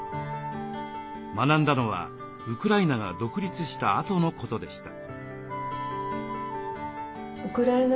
学んだのはウクライナが独立したあとのことでした。